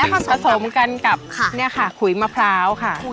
แล้วผสมกันกับขุยมะพร้าว